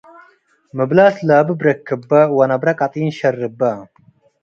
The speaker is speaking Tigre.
ምብላስ ላብብ ረክበ ወነብረ ቀጢን ሸርበ።